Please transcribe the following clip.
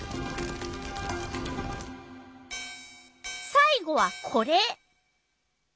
さい後はこれ。